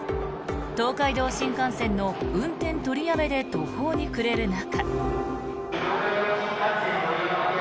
東海道新幹線の運転取りやめで途方に暮れる中。